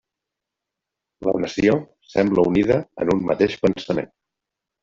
La nació sembla unida en un mateix pensament.